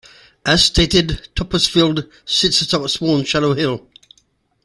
As stated, Toppesfield sits atop a small and shallow hill.